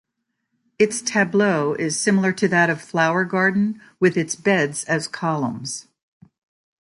Its tableau is similar to that of Flower Garden with its beds as columns.